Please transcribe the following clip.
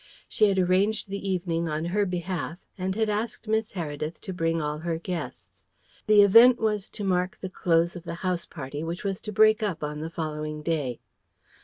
She had arranged the evening on her behalf, and had asked Miss Heredith to bring all her guests. The event was to mark the close of the house party, which was to break up on the following day.